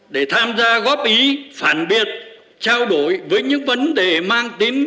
để tham gia góp ý phản biệt trao đổi với những vấn đề mang tính